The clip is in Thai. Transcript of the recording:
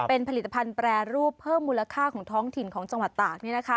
เป็นผลิตภัณฑ์แปรรูปเพิ่มมูลค่าของท้องถิ่นของจังหวัดตาก